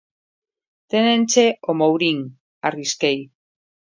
–Téñenche o Mourín –arrisquei.